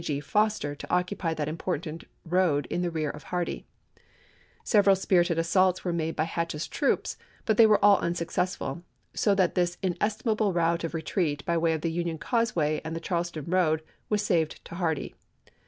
G. Foster to occupy that important road in the rear of Hardee. Several spirited assaults were made by Hatch's troops, but they were all un successful ; so that this inestimable route of retreat by way of the Union causeway and the Charleston road, was saved to Hardee.